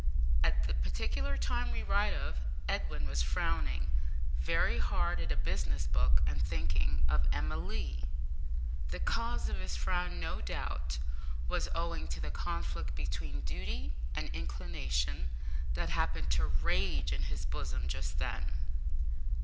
At the particular time we write of, Edwin was frowning very hard at a business book and thinking of Emma Lee. The cause of his frown, no doubt, was owing to the conflict between duty and inclination that happened to rage in his bosom just then.